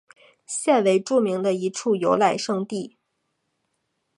现为著名的一处游览胜地。